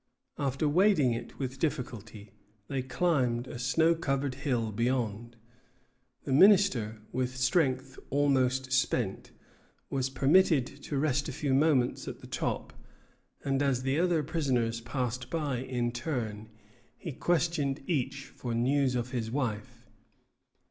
After wading it with difficulty, they climbed a snow covered hill beyond. The minister, with strength almost spent, was permitted to rest a few moments at the top; and as the other prisoners passed by in turn, he questioned each for news of his wife.